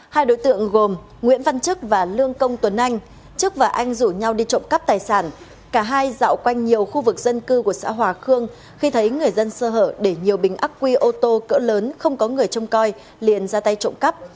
hai đối tượng gồm nguyễn văn trức và lương công tuấn anh trức và anh rủ nhau đi trộm cắp tài sản cả hai dạo quanh nhiều khu vực dân cư của xã hòa khương khi thấy người dân sơ hở để nhiều bình ác quy ô tô cỡ lớn không có người trông coi